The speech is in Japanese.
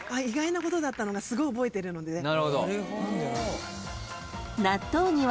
意外なことだったのがすごい覚えてるので。